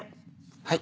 はい。